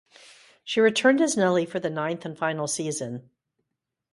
She returned as Nellie for the ninth and final season.